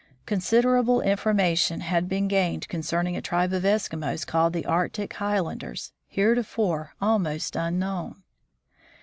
Considerable information had been gained concerning a tribe of Eskimos called the Arctic Highlanders, heretofore almost unknown.